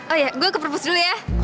oh ya gue ke brebes dulu ya